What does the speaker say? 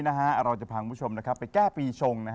เราจะพาคุณผู้ชมไปแก้ปีชง